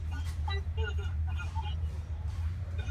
古九寒更发现武功高强的石榴样貌一样。